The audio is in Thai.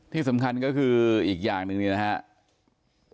ที่สำคัญก็คืออีกอย่างหนึ่งเนี่ยนะครับ